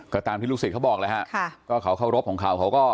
ก็ตามที่ลูกศิษย์เขาบอกแล้วฮะค่ะก็เขาเคารพของเขาเขาก็